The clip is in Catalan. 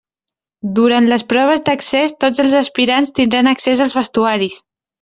Durant les proves d'accés tots els aspirants tindran accés als vestuaris.